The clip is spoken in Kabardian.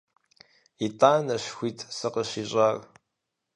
ИтӀанэщ хуит сыкъыщищӀар.